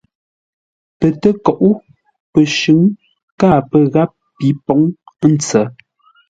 Pə tə́koʼó pəshʉ̌ŋ káa pə́ ngáp pi pǒŋ ə́ ntsə̌.